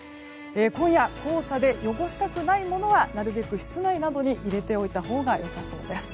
今夜、黄砂で汚したくないものはなるべく室内などに入れておいたほうが良さそうです。